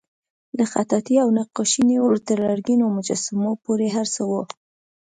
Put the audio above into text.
له خطاطۍ او نقاشۍ نیولې تر لرګینو مجسمو پورې هر څه وو.